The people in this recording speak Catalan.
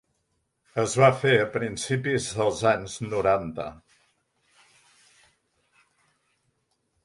Es va fer a principis dels anys noranta.